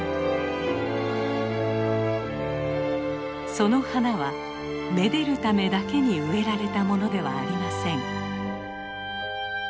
その花は愛でるためだけに植えられたものではありません。